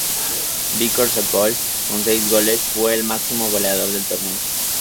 Viktor Sokol, con seis goles, fue el máximo goleador del torneo.